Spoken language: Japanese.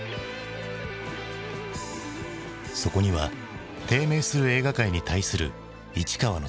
そこには低迷する映画界に対する市川の強い思いがあった。